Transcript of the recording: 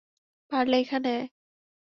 পারলে এখানে আয়!